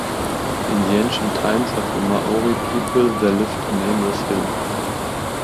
In the ancient times of the Maori people there lived a nameless hill.